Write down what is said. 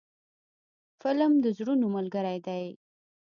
فلم د زړونو ملګری دی